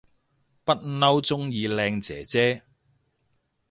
不嬲鍾意靚姐姐